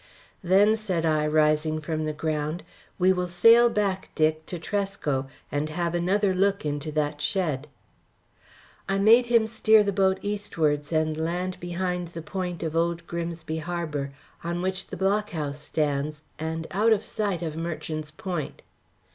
"Then," said I, rising from the ground, "we will sail back, Dick, to Tresco, and have another look into that shed." I made him steer the boat eastwards and land behind the point of the old Grimsby Harbour, on which the Block House stands, and out of sight of Merchant's Point.